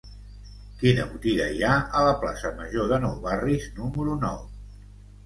Quina botiga hi ha a la plaça Major de Nou Barris número nou?